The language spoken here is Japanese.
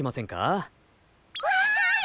わい！